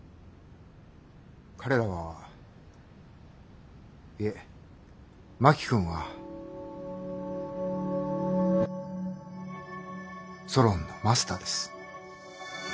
彼らはいえ真木君はソロンのマスターです。